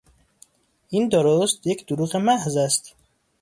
این درست یک دروغ محض است!